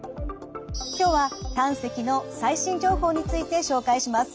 今日は胆石の最新情報について紹介します。